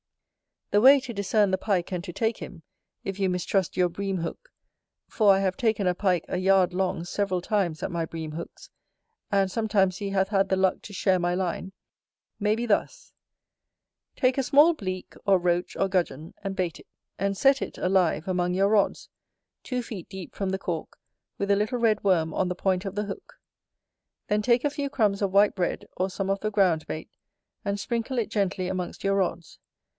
The way to discern the Pike and to take him, it you mistrust your Bream hook, for I have taken a Pike a yard long several times at my Bream hooks, and sometimes he hath had the luck to share my line, may be thus: Take a small Bleak, or Roach, or Gudgeon, and bait it; and set it, alive, among your rods, two feet deep from the cork, with a little red worm on the point of the hook: then take a few crumbs of white bread, or some of the ground bait, and sprinkle it gently amongst your rods.